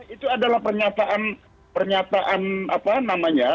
itu adalah pernyataan pernyataan apa namanya